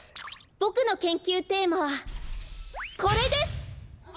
ボクの研究テーマはこれです！